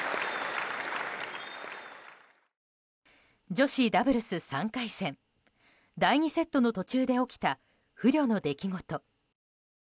女子ダブルス３回戦第２セットの途中で起きた不慮の出来事。